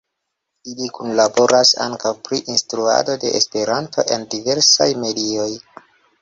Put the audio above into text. Ili kunlaboras ankaŭ pri instruado de Esperanto en diversaj medioj.